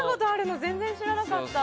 全然知らなかった。